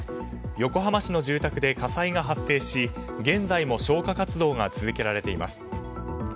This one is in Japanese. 横浜市の住宅で火災が発生し現在も消火活動が続けられています。